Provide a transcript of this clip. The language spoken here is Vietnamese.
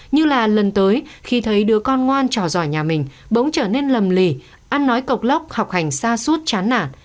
như là lần tới khi thấy đứa con ngoan trò giỏi nhà mình bỗng trở nên lầm lì ăn nói cộc lóc học hành xa suốt chán nản